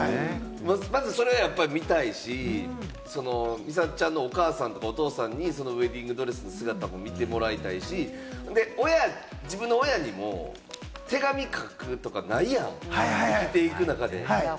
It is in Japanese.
まずそれが、やっぱり見たいし、みさとちゃんのお母さんとかお父さんにウエディングドレス姿を見てもらいたいし、自分の親にも手紙書くとかないやん、生きていく中で。